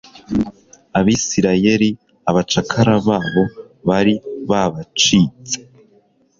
abisirayeli abacakara babo bari babacitse